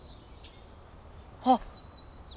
あっ！